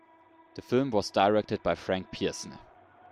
The film was directed by Frank Pierson.